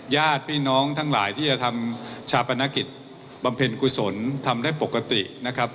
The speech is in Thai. ญาติพี่น้องทั้งหลายที่จะทำชาปนกิจบำเพ็ญกุศลทำได้ปกตินะครับ